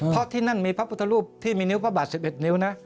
เพราะที่นั่นมีพระพุทธรูปที่มีนิ้วพระบาท๑๑นิ้วนะ